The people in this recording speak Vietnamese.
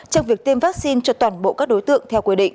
trong việc tiêm vaccine